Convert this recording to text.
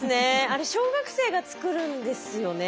あれ小学生が作るんですよね。